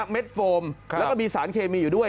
เม็ดโฟมแล้วก็มีสารเคมีอยู่ด้วย